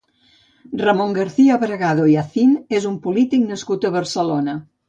Ramon García-Bragado i Acín és un polític nascut a Barcelona.